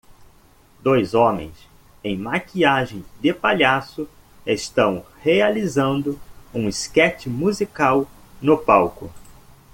Dois homens em maquiagem de palhaço estão realizando um esquete musical no palco.